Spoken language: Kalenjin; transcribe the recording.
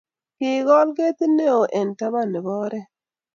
Kikol ketit ne oo eng taban ne bo oree.